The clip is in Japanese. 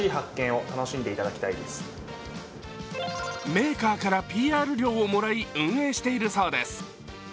メーカーからＰＲ料をもらい運営しているそうです。